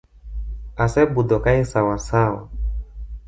Asebudho kae sawa sawa.